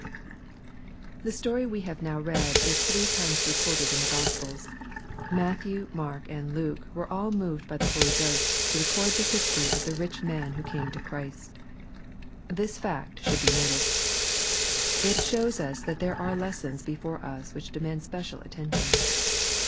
The story wo have dow read is three times reported in the Gospels. Matthew, Mark and Luke were all moved by the Holy Ghost to record the history of the rich man who carae to Christ. This fact should be noticed. It shows us that there are lessons before us which demand special attention.